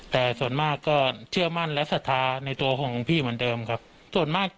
แต่ส่วนมากก็เชื่อมั่นและศรัทธาในตัวของหลวงพี่เหมือนเดิมครับส่วนมาก